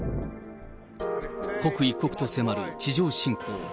刻一刻と迫る地上侵攻。